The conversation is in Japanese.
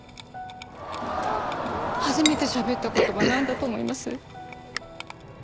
初めてしゃべった言葉何だと思います？